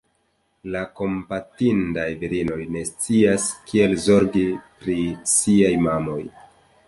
La kompatindaj virinoj ne scias kiel zorgi pri siaj mamoj.